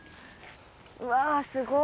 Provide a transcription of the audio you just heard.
うわすごっ